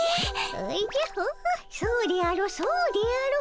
おじゃホホそうであろうそうであろう。